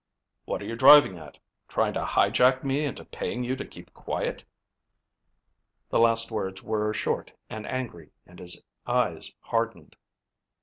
"What are you driving at? Trying to hi jack me into paying you to keep quiet?" The last words were short and angry and his eyes hardened.